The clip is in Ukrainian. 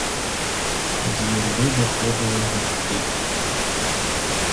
З юрби виходили гуртки.